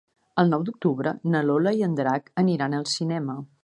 El nou d'octubre na Lola i en Drac aniran al cinema.